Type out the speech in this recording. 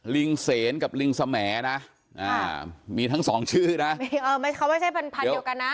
ลิงเสนกับลิงสแหมนะอ่ามีทั้งสองชื่อนะเออไม่ค่ะเขาไม่ใช่พันธุ์เดียวกันนะ